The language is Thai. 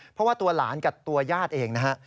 เพราะว่าตัวหลานกับตัวญาติเองนะฮะ